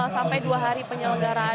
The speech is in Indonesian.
sampai dua hari penyelenggaraan